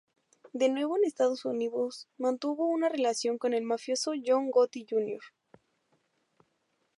De nuevo en Estados Unidos mantuvo una relación con el mafioso John Gotti Junior.